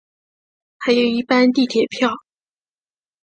还有一般地铁票